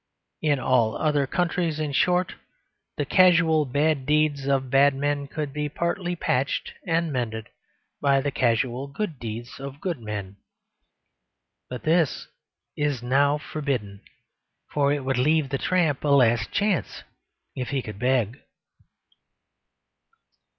In all other centuries, in short, the casual bad deeds of bad men could be partly patched and mended by the casual good deeds of good men. But this is now forbidden; for it would leave the tramp a last chance if he could beg.